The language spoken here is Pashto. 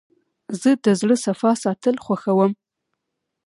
زه د زړه صفا ساتل خوښوم.